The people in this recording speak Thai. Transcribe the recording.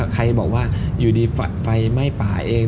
ใครบอกว่าอยู่ดีไฟไหม้ป่าเอง